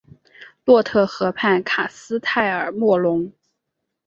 洛特河畔卡斯泰尔莫龙。